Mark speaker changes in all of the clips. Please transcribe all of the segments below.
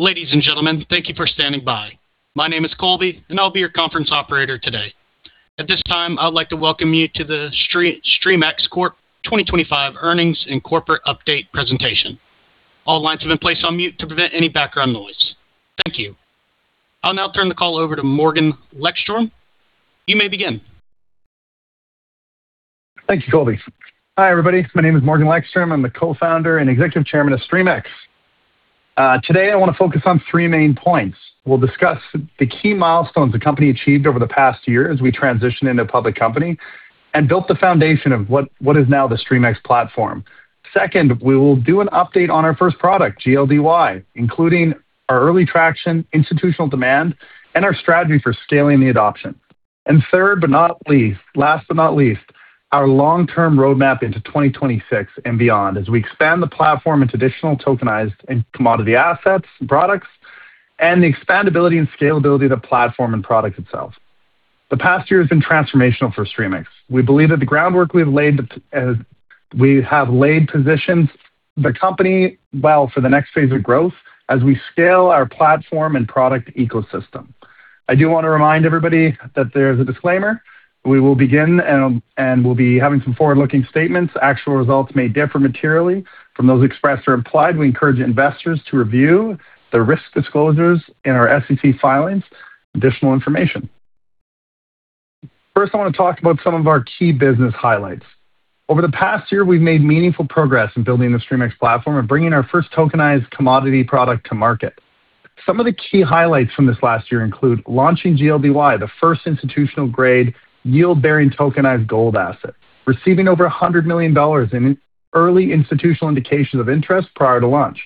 Speaker 1: Ladies and gentlemen, thank you for standing by. My name is Colby and I'll be your conference operator today. At this time, I would like to welcome you to the Streamex Corp 2025 Earnings and Corporate Update Presentation. All lines have been placed on mute to prevent any background noise. Thank you. I'll now turn the call over to Morgan Lekstrom. You may begin.
Speaker 2: Thank you, Colby. Hi, everybody. My name is Morgan Lekstrom. I'm the Co-Founder and Executive Chairman of Streamex. Today I want to focus on three main points. We'll discuss the key milestones the company achieved over the past year as we transitioned into a public company and built the foundation of what is now the Streamex platform. Second, we will do an update on our first product, GLDY, including our early traction, institutional demand, and our strategy for scaling the adoption. Third, but not least, last but not least, our long-term roadmap into 2026 and beyond as we expand the platform into additional tokenized and commodity assets, products, and the expandability and scalability of the platform and product itself. The past year has been transformational for Streamex. We believe that the groundwork we have laid positions, the company well for the next phase of growth as we scale our platform and product ecosystem. I do want to remind everybody that there's a disclaimer. We will begin and we'll be having some forward-looking statements. Actual results may differ materially from those expressed or implied. We encourage investors to review the risk disclosures in our SEC filings for additional information. First, I want to talk about some of our key business highlights. Over the past year, we've made meaningful progress in building the Streamex platform and bringing our first tokenized commodity product to market. Some of the key highlights from this last year include launching GLDY, the first institutional-grade yield-bearing tokenized gold asset, receiving over $100 million in early institutional indications of interest prior to launch,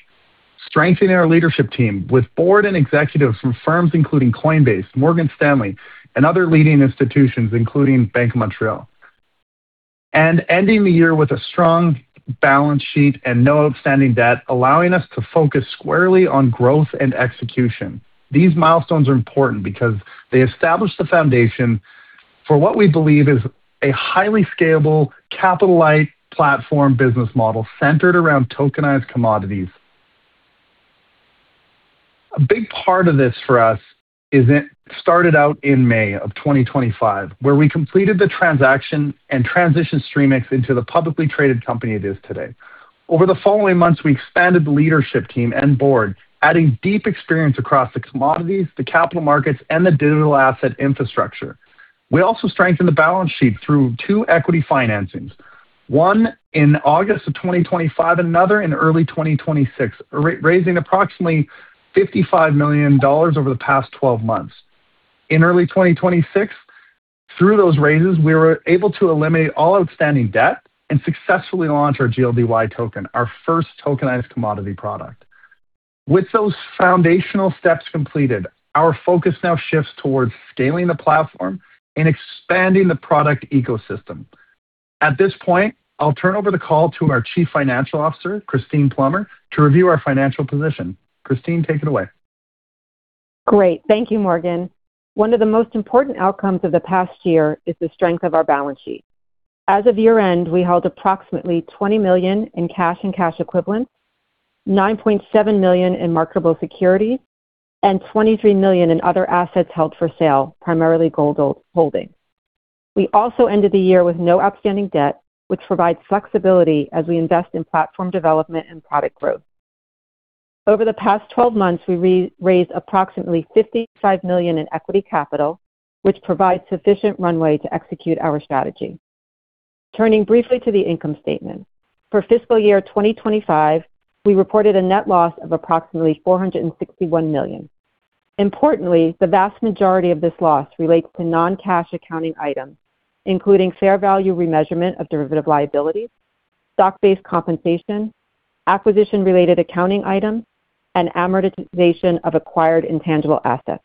Speaker 2: strengthening our leadership team with board and executives from firms including Coinbase, Morgan Stanley, and other leading institutions, including Bank of Montreal. Ending the year with a strong balance sheet and no outstanding debt, allowing us to focus squarely on growth and execution. These milestones are important because they establish the foundation, for what we believe is a highly scalable capital-light platform business model centered around tokenized commodities. A big part of this for us is it started out in May of 2025, where we completed the transaction and transitioned Streamex into the publicly traded company it is today. Over the following months, we expanded the leadership team and board, adding deep experience across its commodities, the capital markets, and the digital asset infrastructure. We also strengthened the balance sheet through two equity financings, one in August of 2025, another in early 2026, raising approximately $55 million over the past 12 months. In early 2026, through those raises, we were able to eliminate all outstanding debt and successfully launch our GLDY token, our first tokenized commodity product. With those foundational steps completed, our focus now shifts towards scaling the platform and expanding the product ecosystem. At this point, I'll turn over the call to our Chief Financial Officer, Christine Plummer, to review our financial position. Christine, take it away.
Speaker 3: Great. Thank you, Morgan. One of the most important outcomes of the past year is the strength of our balance sheet. As of year-end, we held approximately $20 million in cash and cash equivalents, $9.7 million in marketable securities, and $23 million in other assets held for sale, primarily gold holdings. We also ended the year with no outstanding debt, which provides flexibility as we invest in platform development and product growth. Over the past 12 months, we raised approximately $55 million in equity capital, which provides sufficient runway to execute our strategy. Turning briefly to the income statement. For fiscal year 2025, we reported a net loss of approximately $461 million. Importantly, the vast majority of this loss relates to non-cash accounting items, including fair value remeasurement of derivative liabilities, stock-based compensation, acquisition-related accounting items, and amortization of acquired intangible assets.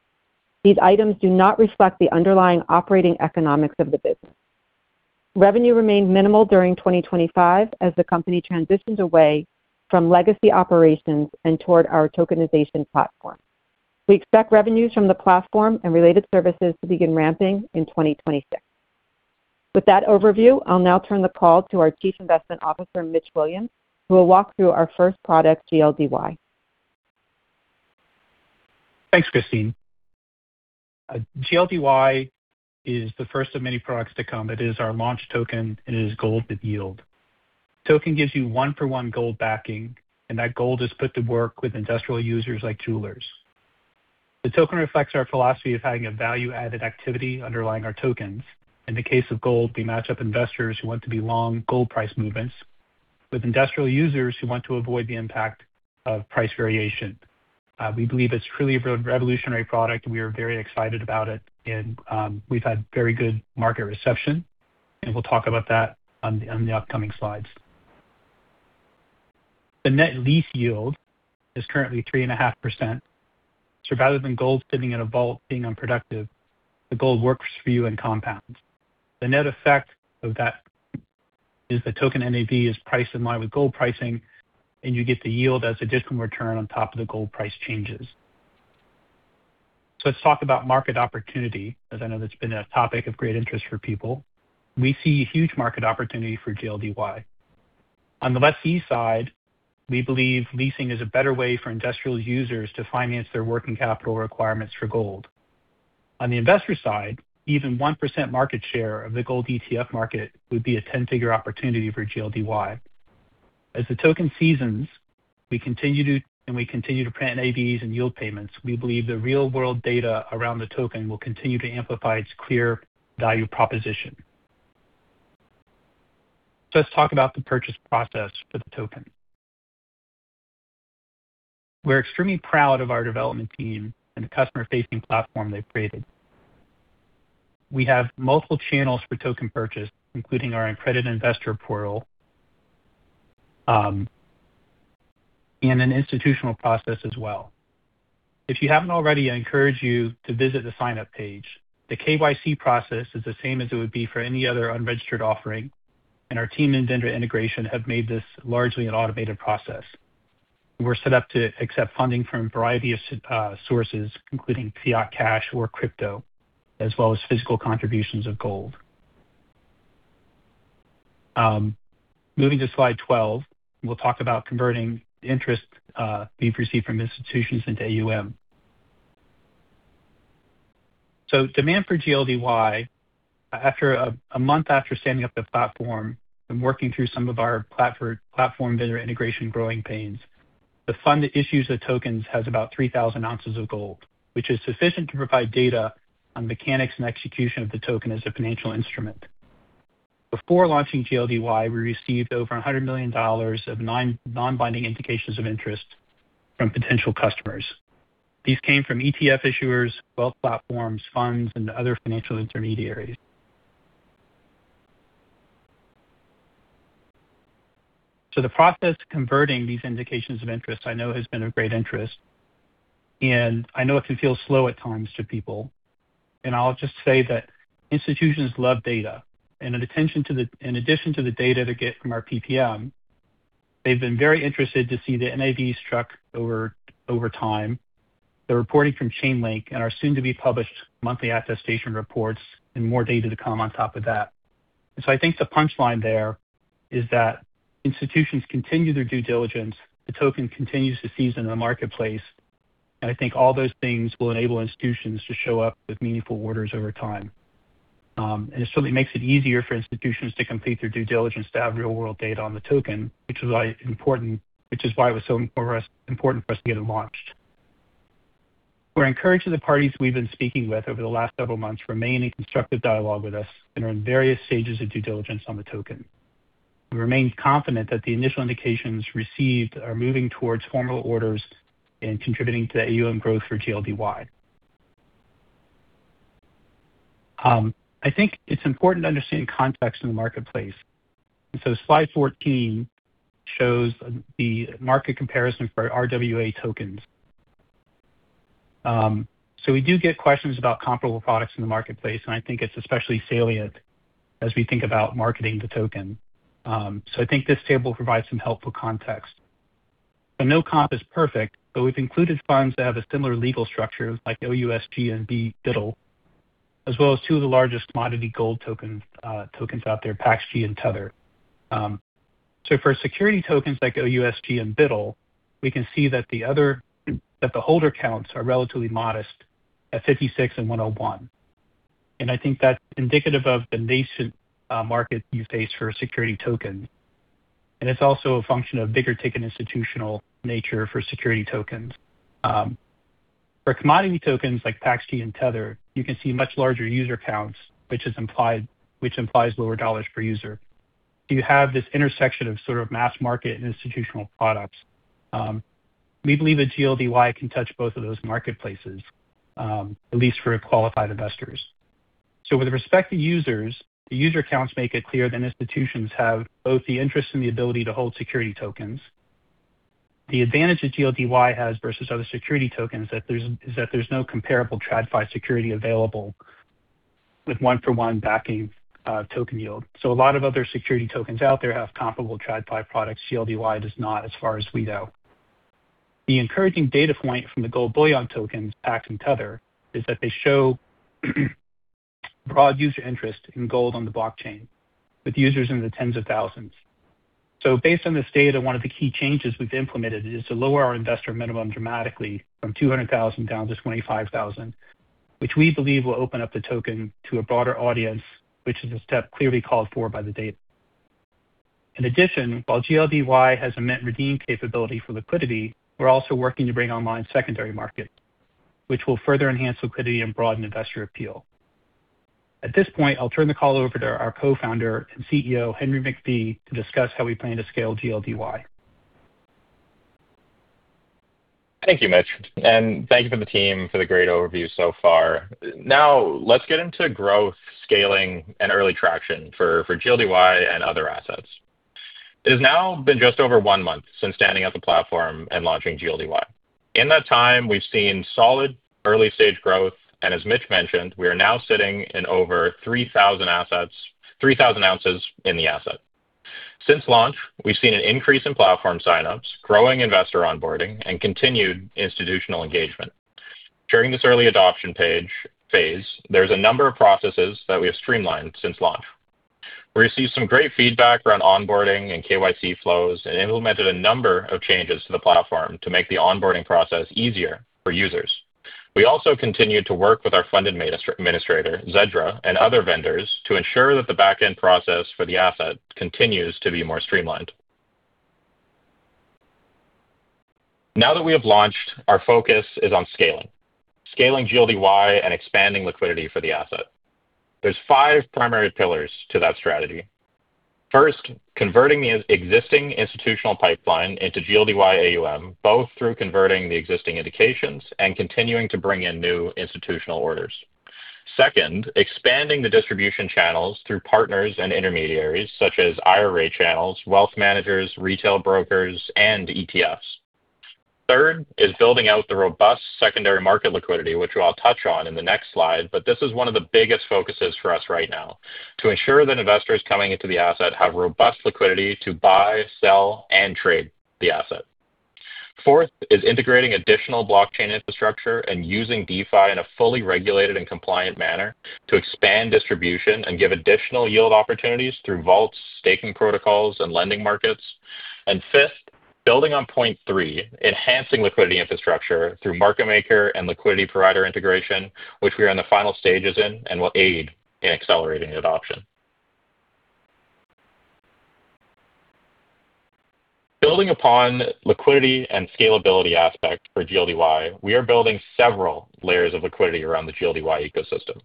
Speaker 3: These items do not reflect the underlying operating economics of the business. Revenue remained minimal during 2025 as the company transitioned away from legacy operations and toward our tokenization platform. We expect revenues from the platform and related services to begin ramping in 2026. With that overview, I'll now turn the call to our Chief Investment Officer, Mitch Williams, who will walk through our first product, GLDY.
Speaker 4: Thanks, Christine. GLDY is the first of many products to come. It is our launch token, and it is gold with yield. Token gives you one-for-one gold backing, and that gold is put to work with industrial users like jewelers. The token reflects our philosophy of having a value-added activity underlying our tokens. In the case of gold, we match up investors who want to be long gold price movements with industrial users who want to avoid the impact of price variation. We believe it's truly a revolutionary product. We are very excited about it. We've had very good market reception, and we'll talk about that on the upcoming slides. The net lease yield is currently 3.5%. Rather than gold sitting in a vault being unproductive, the gold works for you and compounds. The net effect of that is the token NAV is priced in line with gold pricing, and you get the yield as additional return on top of the gold price changes. Let's talk about market opportunity, as I know that's been a topic of great interest for people. We see huge market opportunity for GLDY. On the lessee side, we believe leasing is a better way for industrial users to finance their working capital requirements for gold. On the investor side, even 1% market share of the gold ETF market would be a 10-figure opportunity for GLDY. As the token seasons and we continue to print NAVs and yield payments, we believe the real-world data around the token will continue to amplify its clear value proposition. Let's talk about the purchase process for the token. We're extremely proud of our development team and the customer-facing platform they've created. We have multiple channels for token purchase, including our accredited investor portal, and an institutional process as well. If you haven't already, I encourage you to visit the sign-up page. The KYC process is the same as it would be for any other unregistered offering, and our team in vendor integration have made this largely an automated process. We're set up to accept funding from a variety of sources, including fiat cash or crypto, as well as physical contributions of gold. Moving to slide 12, we'll talk about converting interest being received from institutions into AUM. Demand for GLDY, a month after standing up the platform and working through some of our platform vendor integration growing pains, the fund that issues the tokens has about 3,000 oz of gold, which is sufficient to provide data on mechanics and execution of the token as a financial instrument. Before launching GLDY, we received over a hundred million dollars of non-binding indications of interest from potential customers. These came from ETF issuers, wealth platforms, funds, and other financial intermediaries. The process of converting these indications of interest I know has been of great interest, and I know it can feel slow at times to people. I'll just say that institutions love data, and in addition to the data they get from our PPM, they've been very interested to see the NAV struck over time, the reporting from Chainlink, and our soon-to-be-published monthly attestation reports, and more data to come on top of that. I think the punchline there is that institutions continue their due diligence, the token continues to season in the marketplace, and I think all those things will enable institutions to show up with meaningful orders over time. It certainly makes it easier for institutions to complete their due diligence to have real-world data on the token, which is why it was so important for us to get it launched. We're encouraged that the parties we've been speaking with over the last several months remain in constructive dialogue with us and are in various stages of due diligence on the token. We remain confident that the initial indications received are moving towards formal orders and contributing to the AUM growth for GLDY. I think it's important to understand context in the marketplace. Slide 14 shows the market comparison for RWA tokens. We do get questions about comparable products in the marketplace, and I think it's especially salient as we think about marketing the token. I think this table provides some helpful context. No comp is perfect, but we've included funds that have a similar legal structure, like OUSG and BUIDL, as well as two of the largest commodity gold tokens out there, PAXG and Tether. For security tokens like OUSG and BUIDL, we can see that the holder counts are relatively modest at 56 and 101. I think that's indicative of the nascent market use pays for security token. It's also a function of bigger ticket institutional nature for security tokens. For commodity tokens like PAXG and Tether, you can see much larger user counts, which implies lower dollars per user. You have this intersection of sort of mass market and institutional products. We believe that GLDY can touch both of those marketplaces, at least for qualified investors. With respect to users, the user counts make it clear that institutions have both the interest and the ability to hold security tokens. The advantage that GLDY has versus other security tokens is that there's no comparable TradFi security available with one-for-one backing token yield. A lot of other security tokens out there have comparable TradFi products. GLDY does not, as far as we know. The encouraging data point from the gold bullion tokens, PAXG and Tether, is that they show broad user interest in gold on the blockchain, with users in the tens of thousands. Based on this data, one of the key changes we've implemented is to lower our investor minimum dramatically from $200,000 down to $25,000, which we believe will open up the token to a broader audience, which is a step clearly called for by the data. In addition, while GLDY has a mint/redeem capability for liquidity, we're also working to bring online secondary market, which will further enhance liquidity and broaden investor appeal. At this point, I'll turn the call over to our Co-Founder and CEO, Henry McPhie, to discuss how we plan to scale GLDY.
Speaker 5: Thank you, Mitch, and thank you to the team for the great overview so far. Now let's get into growth, scaling, and early traction for GLDY and other assets. It has now been just over one month since standing up the platform and launching GLDY. In that time, we've seen solid early-stage growth, and as Mitch mentioned, we are now sitting in over 3,000 oz in the asset. Since launch, we've seen an increase in platform signups, growing investor onboarding, and continued institutional engagement. During this early adoption phase, there's a number of processes that we have streamlined since launch. We received some great feedback around onboarding and KYC flows, and implemented a number of changes to the platform to make the onboarding process easier for users. We also continue to work with our funded administrator, Zedra, and other vendors to ensure that the back-end process for the asset continues to be more streamlined. Now that we have launched, our focus is on scaling GLDY and expanding liquidity for the asset. There's five primary pillars to that strategy. First, converting the existing institutional pipeline into GLDY AUM, both through converting the existing indications and continuing to bring in new institutional orders. Second, expanding the distribution channels through partners and intermediaries such as IRA channels, wealth managers, retail brokers, and ETFs. Third is building out the robust secondary market liquidity, which I'll touch on in the next slide, but this is one of the biggest focuses for us right now to ensure that investors coming into the asset have robust liquidity to buy, sell, and trade the asset. Fourth is integrating additional blockchain infrastructure and using DeFi in a fully regulated and compliant manner to expand distribution and give additional yield opportunities through vaults, staking protocols, and lending markets. Fifth, building on point three, enhancing liquidity infrastructure through market maker and liquidity provider integration, which we are in the final stages in and will aid in accelerating adoption. Building upon liquidity and scalability aspect for GLDY, we are building several layers of liquidity around the GLDY ecosystem.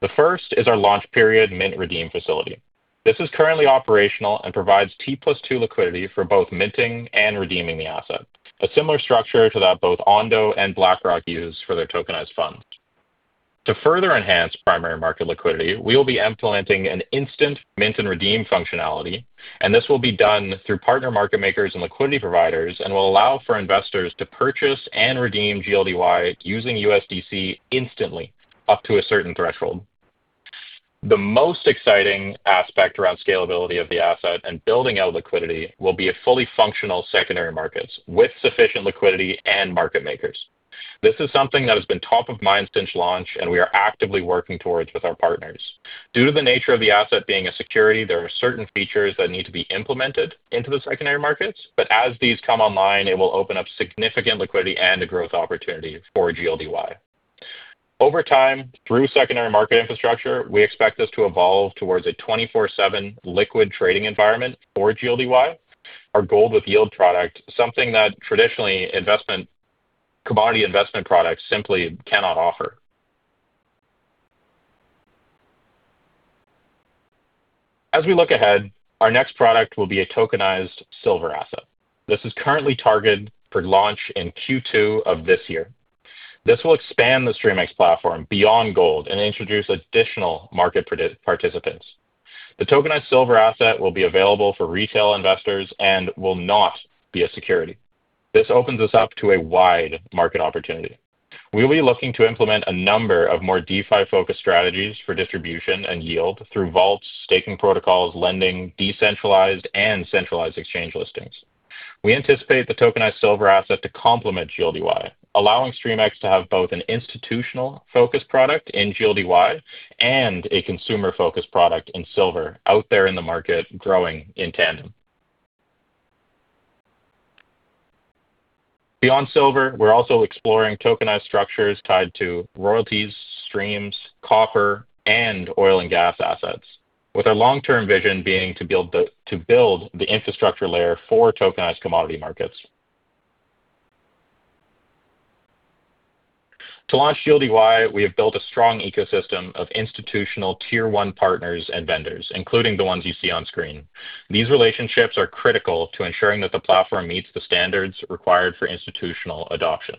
Speaker 5: The first is our launch period mint redeem facility. This is currently operational and provides T+2 liquidity for both minting and redeeming the asset, a similar structure to that both Ondo and BlackRock use for their tokenized funds. To further enhance primary market liquidity, we will be implementing an instant mint and redeem functionality, and this will be done through partner market makers and liquidity providers and will allow for investors to purchase and redeem GLDY using USDC instantly, up to a certain threshold. The most exciting aspect around scalability of the asset and building out liquidity will be a fully functional secondary markets with sufficient liquidity and market makers. This is something that has been top of mind since launch, and we are actively working towards with our partners. Due to the nature of the asset being a security, there are certain features that need to be implemented into the secondary markets, but as these come online, it will open up significant liquidity and a growth opportunity for GLDY. Over time, through secondary market infrastructure, we expect this to evolve towards a 24/7 liquid trading environment for GLDY, our gold with yield product, something that traditionally commodity investment products simply cannot offer. As we look ahead, our next product will be a tokenized silver asset. This is currently targeted for launch in Q2 of this year. This will expand the Streamex platform beyond gold and introduce additional market participants. The tokenized silver asset will be available for retail investors and will not be a security. This opens us up to a wide market opportunity. We'll be looking to implement a number of more DeFi-focused strategies for distribution and yield through vaults, staking protocols, lending, decentralized, and centralized exchange listings. We anticipate the tokenized silver asset to complement GLDY, allowing Streamex to have both an institutional-focused product in GLDY and a consumer-focused product in silver out there in the market, growing in tandem. Beyond silver, we're also exploring tokenized structures tied to royalties, streams, copper, and oil and gas assets, with our long-term vision being to build the infrastructure layer for tokenized commodity markets. To launch GLDY, we have built a strong ecosystem of institutional tier one partners and vendors, including the ones you see on screen. These relationships are critical to ensuring that the platform meets the standards required for institutional adoption.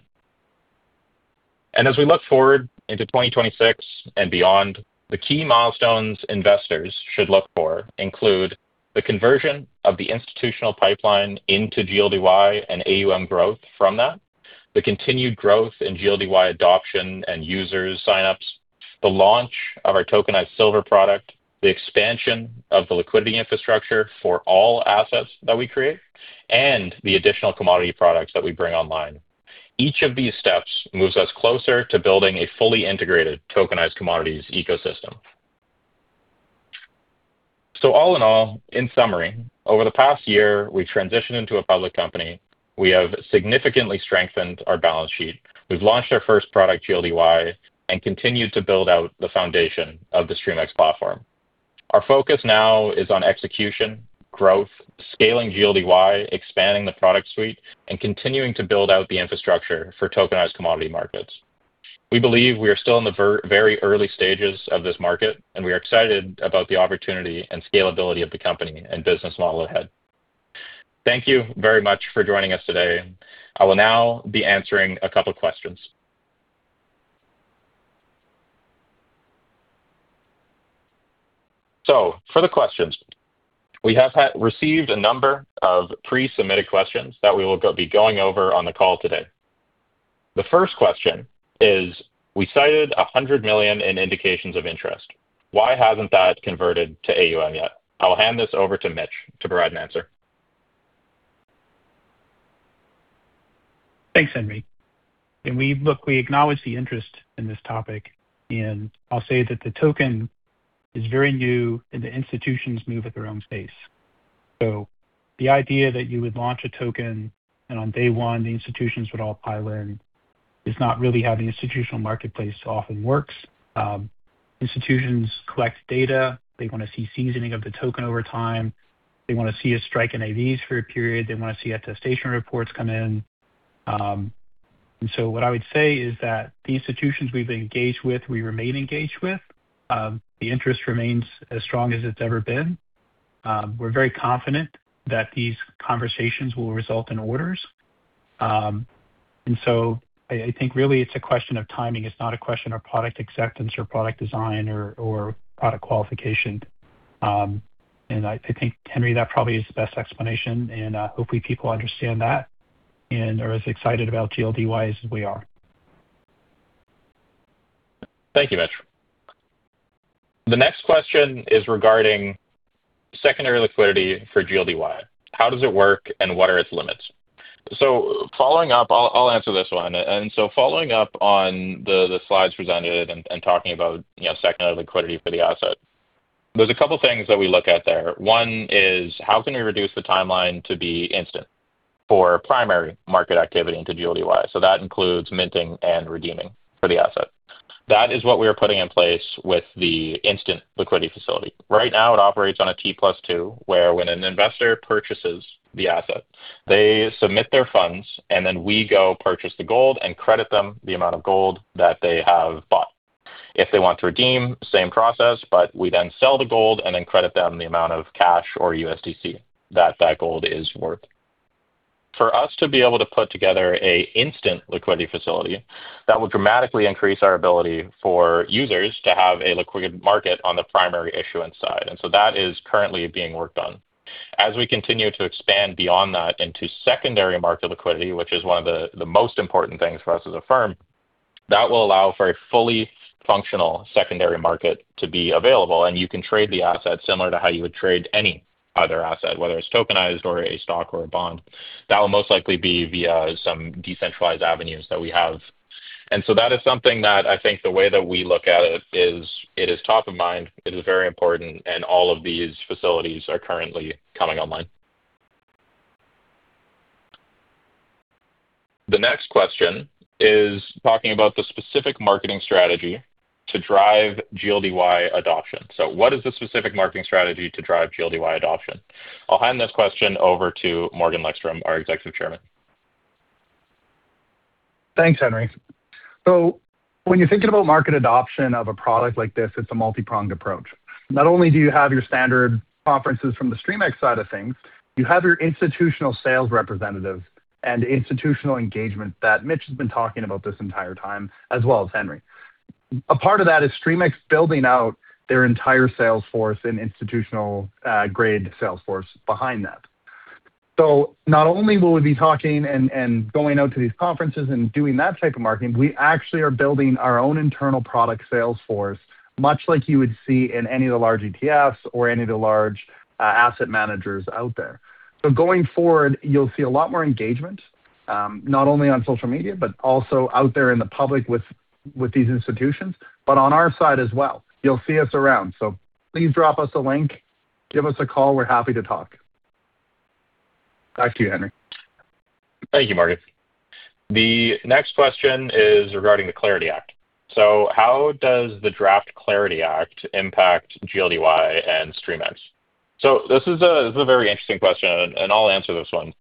Speaker 5: As we look forward into 2026 and beyond, the key milestones investors should look for include the conversion of the institutional pipeline into GLDY and AUM growth from that, the continued growth in GLDY adoption and user signups, the launch of our tokenized silver product, the expansion of the liquidity infrastructure for all assets that we create, and the additional commodity products that we bring online. Each of these steps moves us closer to building a fully integrated tokenized commodities ecosystem. All in all, in summary, over the past year, we've transitioned into a public company. We have significantly strengthened our balance sheet. We've launched our first product, GLDY, and continued to build out the foundation of the Streamex platform. Our focus now is on execution, growth, scaling GLDY, expanding the product suite, and continuing to build out the infrastructure for tokenized commodity markets. We believe we are still in the very early stages of this market, and we are excited about the opportunity and scalability of the company and business model ahead. Thank you very much for joining us today. I will now be answering a couple questions. For the questions, we have received a number of pre-submitted questions that we will be going over on the call today. The first question is, we cited a hundred million in indications of interest. Why hasn't that converted to AUM yet? I'll hand this over to Mitch to provide an answer.
Speaker 4: Thanks, Henry. Look, we acknowledge the interest in this topic, and I'll say that the token is very new and the institutions move at their own pace. The idea that you would launch a token and on day one, the institutions would all pile in, is not really how the institutional marketplace often works. Institutions collect data. They want to see seasoning of the token over time. They want to see us strike an NAVs for a period. They want to see attestation reports come in. What I would say is that the institutions we've engaged with, we remain engaged with. The interest remains as strong as it's ever been. We're very confident that these conversations will result in orders. I think really it's a question of timing. It's not a question of product acceptance or product design or product qualification. I think, Henry, that probably is the best explanation, and hopefully people understand that and are as excited about GLDY as we are.
Speaker 5: Thank you, Mitch. The next question is regarding secondary liquidity for GLDY. How does it work and what are its limits? Following up, I'll answer this one. Following up on the slides presented and talking about secondary liquidity for the asset, there's a couple things that we look at there. One is, how can we reduce the timeline to be instant for primary market activity into GLDY? That includes minting and redeeming for the asset. That is what we are putting in place with the instant liquidity facility. Right now it operates on a T+2, where when an investor purchases the asset, they submit their funds, and then we go purchase the gold and credit them the amount of gold that they have bought. If they want to redeem, same process, but we then sell the gold and then credit them the amount of cash or USDC that gold is worth. For us to be able to put together a instant liquidity facility, that would dramatically increase our ability for users to have a liquid market on the primary issuance side. That is currently being worked on. As we continue to expand beyond that into secondary market liquidity, which is one of the most important things for us as a firm, that will allow for a fully functional secondary market to be available, and you can trade the asset similar to how you would trade any other asset, whether it's tokenized or a stock or a bond. That will most likely be via some decentralized avenues that we have. that is something that I think the way that we look at it is, it is top of mind, it is very important, and all of these facilities are currently coming online. The next question is talking about the specific marketing strategy to drive GLDY adoption. what is the specific marketing strategy to drive GLDY adoption? I'll hand this question over to Morgan Lekstrom, our Executive Chairman.
Speaker 2: Thanks, Henry. When you're thinking about market adoption of a product like this, it's a multi-pronged approach. Not only do you have your standard conferences from the Streamex side of things, you have your institutional sales representative and institutional engagement that Mitch has been talking about this entire time, as well as Henry. A part of that is Streamex building out their entire sales force and institutional grade sales force behind that. Not only will we be talking and going out to these conferences and doing that type of marketing, we actually are building our own internal product sales force, much like you would see in any of the large ETFs or any of the large asset managers out there. Going forward, you'll see a lot more engagement, not only on social media, but also out there in the public with these institutions, but on our side as well. You'll see us around. Please drop us a link, give us a call. We're happy to talk. Back to you, Henry.
Speaker 5: Thank you, Morgan. The next question is regarding the Clarity Act. How does the Draft Clarity Act impact GLDY and Streamex? This is a very interesting question, and I'll answer this one.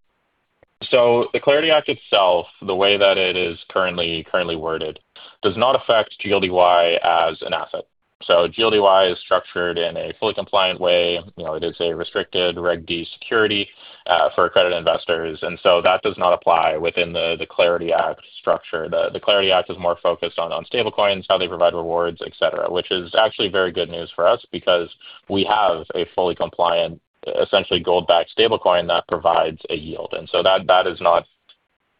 Speaker 5: The Clarity Act itself, the way that it is currently worded, does not affect GLDY as an asset. GLDY is structured in a fully compliant way. It is a restricted Reg D security for accredited investors. That does not apply within the Clarity Act structure. The Clarity Act is more focused on stable coins, how they provide rewards, et cetera, which is actually very good news for us because we have a fully compliant, essentially gold backed stable coin that provides a yield. That is not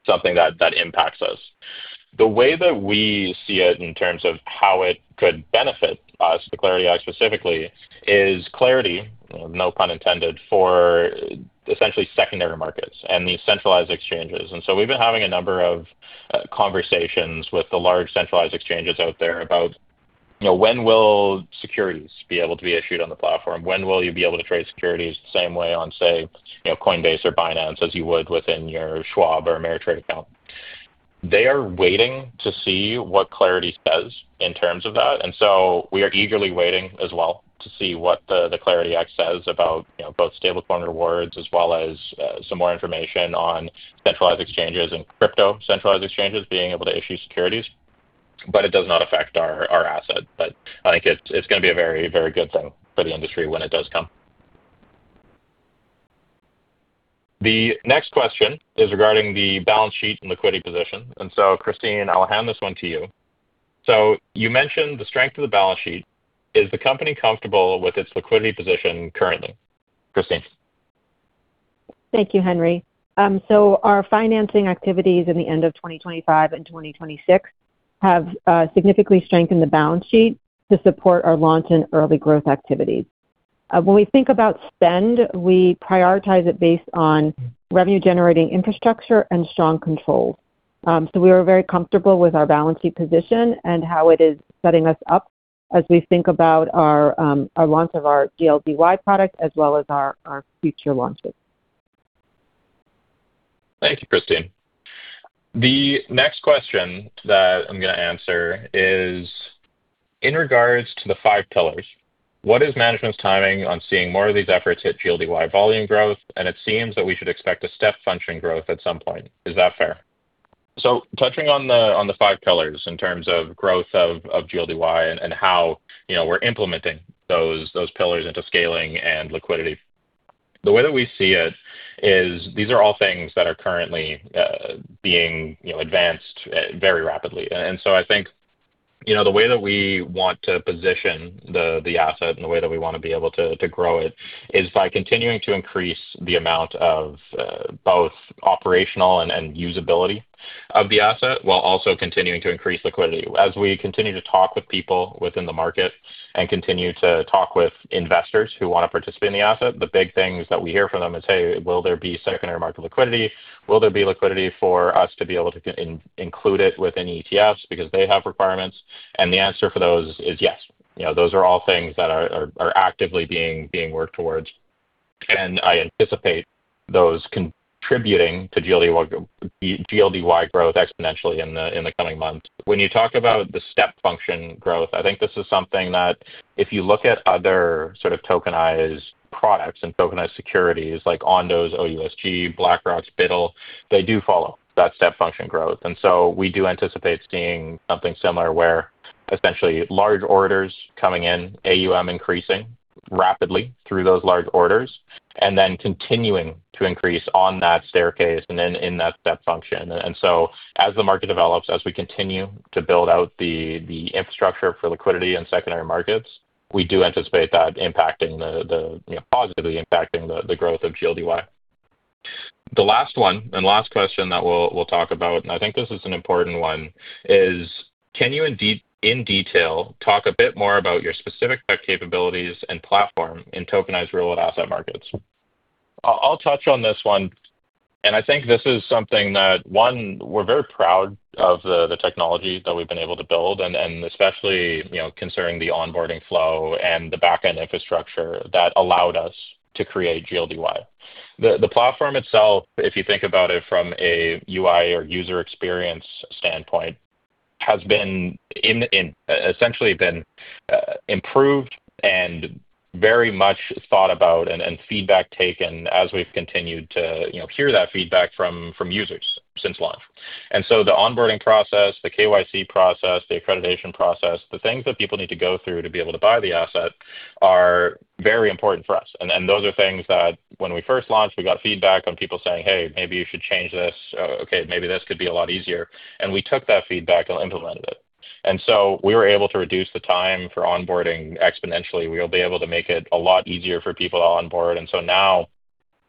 Speaker 5: something that impacts us. The way that we see it in terms of how it could benefit us, the Clarity Act specifically, is clarity, no pun intended, for essentially secondary markets and these centralized exchanges. We've been having a number of conversations with the large centralized exchanges out there about when will securities be able to be issued on the platform? When will you be able to trade securities the same way on, say, Coinbase or Binance as you would within your Schwab or Ameritrade account? They are waiting to see what Clarity says in terms of that, and so we are eagerly waiting as well to see what the Clarity Act says about both stablecoin rewards as well as some more information on centralized exchanges and crypto centralized exchanges being able to issue securities, but it does not affect our asset. I think it's going to be a very good thing for the industry when it does come. The next question is regarding the balance sheet and liquidity position. Christine, I'll hand this one to you. You mentioned the strength of the balance sheet. Is the company comfortable with its liquidity position currently? Christine?
Speaker 3: Thank you, Henry. Our financing activities in the end of 2025 and 2026 have significantly strengthened the balance sheet to support our launch and early growth activities. When we think about spend, we prioritize it based on revenue-generating infrastructure and strong controls. We are very comfortable with our balance sheet position and how it is setting us up as we think about our launch of our GLDY product as well as our future launches.
Speaker 5: Thank you, Christine. The next question that I'm going to answer is, in regards to the five pillars, what is management's timing on seeing more of these efforts hit GLDY volume growth? It seems that we should expect a step function growth at some point. Is that fair? Touching on the five pillars in terms of growth of GLDY and how we're implementing those pillars into scaling and liquidity. The way that we see it is these are all things that are currently being advanced very rapidly. I think, the way that we want to position the asset and the way that we want to be able to grow it is by continuing to increase the amount of both operational and usability of the asset while also continuing to increase liquidity. As we continue to talk with people within the market and continue to talk with investors who want to participate in the asset, the big things that we hear from them is, Hey, will there be secondary market liquidity? Will there be liquidity for us to be able to include it within ETFs because they have requirements? The answer for those is yes. Those are all things that are actively being worked towards. I anticipate those contributing to GLDY growth exponentially in the coming months. When you talk about the step function growth, I think this is something that if you look at other sort of tokenized products and tokenized securities like Ondo's OUSG, BlackRock's BUIDL, they do follow that step function growth. We do anticipate seeing something similar where essentially large orders coming in, AUM increasing rapidly through those large orders, and then continuing to increase on that staircase and then in that step function. As the market develops, as we continue to build out the infrastructure for liquidity and secondary markets, we do anticipate that positively impacting the growth of GLDY. The last one and last question that we'll talk about, and I think this is an important one, is can you in detail talk a bit more about your specific tech capabilities and platform in tokenized real-world asset markets? I'll touch on this one, and I think this is something that, one, we're very proud of the technology that we've been able to build, and especially concerning the onboarding flow and the back-end infrastructure that allowed us to create GLDY. The platform itself, if you think about it from a UI or user experience standpoint, has essentially been improved and very much thought about and feedback taken as we've continued to hear that feedback from users since launch. The onboarding process, the KYC process, the accreditation process, the things that people need to go through to be able to buy the asset are very important for us. Those are things that when we first launched, we got feedback on people saying, Hey, maybe you should change this. Okay, maybe this could be a lot easier. We took that feedback and implemented it. We were able to reduce the time for onboarding exponentially. We'll be able to make it a lot easier for people to onboard. Now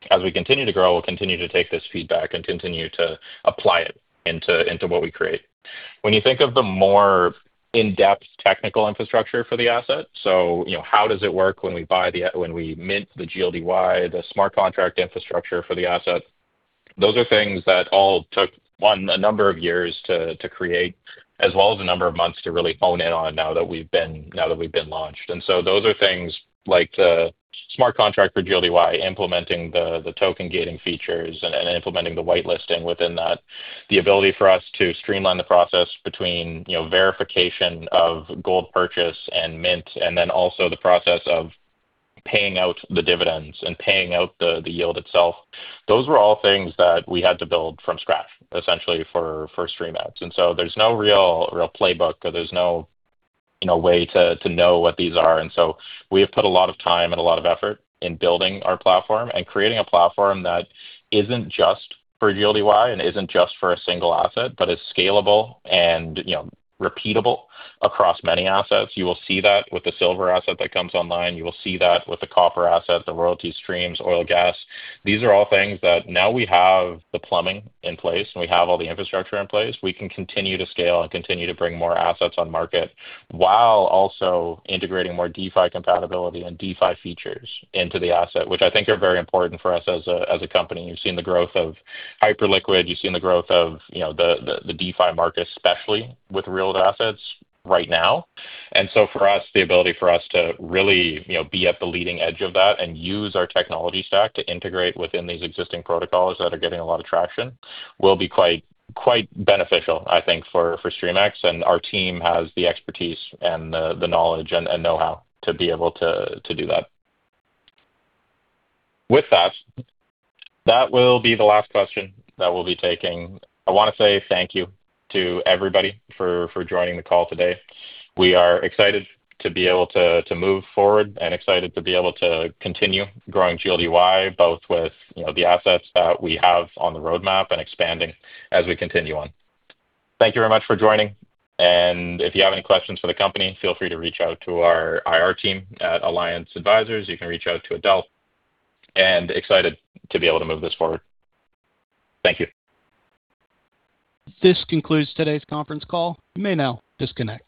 Speaker 5: as we continue to grow, we'll continue to take this feedback and continue to apply it into what we create. When you think of the more in-depth technical infrastructure for the asset, so how does it work when we mint the GLDY, the smart contract infrastructure for the asset? Those are things that all took, one, a number of years to create, as well as a number of months to really hone in on now that we've been launched. Those are things like the smart contract for GLDY, implementing the token gating features, and implementing the whitelisting within that. The ability for us to streamline the process between verification of gold purchase and mint, and then also the process of paying out the dividends and paying out the yield itself. Those were all things that we had to build from scratch, essentially for Streamex. There's no real playbook or there's no way to know what these are. We have put a lot of time and a lot of effort in building our platform and creating a platform that isn't just for GLDY and isn't just for a single asset, but is scalable and repeatable across many assets. You will see that with the silver asset that comes online. You will see that with the copper asset, the royalty streams, oil, gas. These are all things that now we have the plumbing in place and we have all the infrastructure in place, we can continue to scale and continue to bring more assets on market while also integrating more DeFi compatibility and DeFi features into the asset, which I think are very important for us as a company. You've seen the growth of hyper liquid, you've seen the growth of the DeFi market, especially with real assets right now. For us, the ability for us to really be at the leading edge of that and use our technology stack to integrate within these existing protocols that are getting a lot of traction will be quite beneficial, I think, for Streamex, and our team has the expertise and the knowledge and know-how to be able to do that. With that will be the last question that we'll be taking. I want to say thank you to everybody for joining the call today. We are excited to be able to move forward and excited to be able to continue growing GLDY, both with the assets that we have on the roadmap and expanding as we continue on. Thank you very much for joining, and if you have any questions for the company, feel free to reach out to our IR team at Alliance Advisors. You can reach out to Adele. Excited to be able to move this forward. Thank you.
Speaker 1: This concludes today's conference call. You may now disconnect.